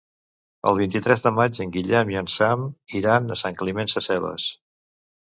El vint-i-tres de maig en Guillem i en Sam iran a Sant Climent Sescebes.